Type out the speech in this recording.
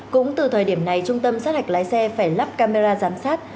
cũng từ thời điểm này trung tâm sát hạch lái xe phải lắp camera giám sát